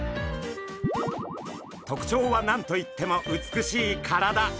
とくちょうは何と言っても美しい体。